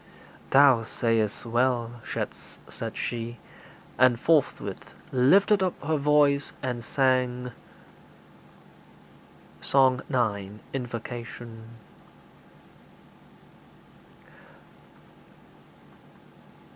'Thou sayest well,' said she; and forthwith lifted up her voice and sang: SONG IX.[I] INVOCATION.